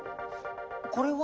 これは？